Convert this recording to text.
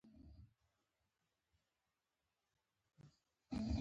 له غټو سترګو یي ګڼ باڼه راتاو وو